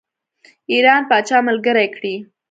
ایران پاچا ملګری کړي.